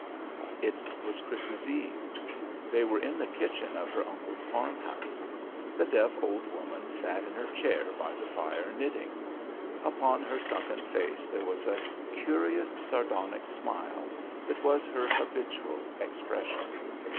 It was Christmas Eve. They were in the kitchen of her uncle's farmhouse. The deaf old woman sat in her chair by the fire knitting. Upon her sunken face there was a curious sardonic smile that was her habitual expression.